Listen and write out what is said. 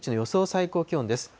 最高気温です。